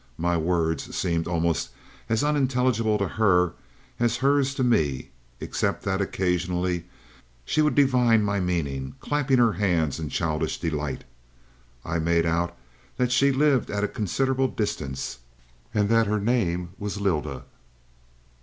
My words seemed almost as unintelligible to her as hers to me, except that occasionally she would divine my meaning, clapping her hands in childish delight. I made out that she lived at a considerable distance, and that her name was Lylda.